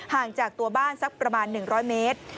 ห่างจากตัวบ้านสักประมาณ๑๐๐เมตร